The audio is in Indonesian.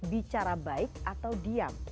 bicara baik atau diam